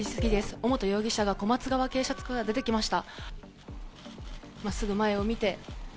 尾本容疑者が小松川警察署から出てきました。